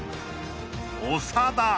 ［長田］